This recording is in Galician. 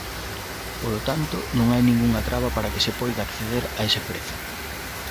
Polo tanto, non hai ningunha traba para que se poida acceder a ese prezo.